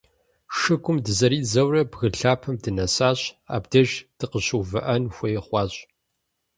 Шыгум дызэридзэурэ, бгы лъапэм дынэсащ, абдеж дыкъыщыувыӏэн хуей хъуащ.